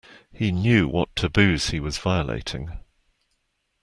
He knew what taboos he was violating.